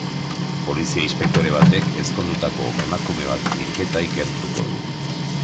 Polizia-inspektore batek ezkondutako emakume baten hilketa ikertuko du.